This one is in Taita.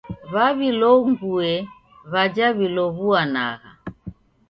W'awilonguye w'aja w'ilow'uanagha.